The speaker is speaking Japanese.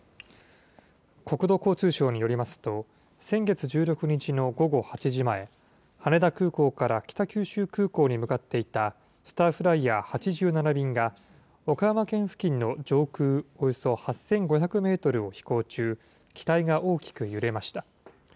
国土交通省によりますと、先月１６日の午後８時前、羽田空港から北九州空港に向かっていたスターフライヤー８７便が、岡山県付近の上空およそ８５００メートルを飛行中、機体が大きく揺れました。